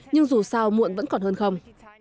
nhưng dù sao muộn vẫn còn hơn không